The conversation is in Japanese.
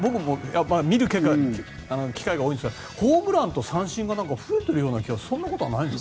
見る機会が多いんですけどホームランと三振が増えてるような気がするけどそんなことないの？